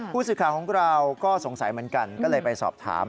ผู้สื่อข่าวของเราก็สงสัยเหมือนกันก็เลยไปสอบถาม